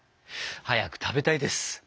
早く食べたいです。